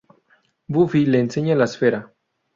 Buffy les enseña la esfera.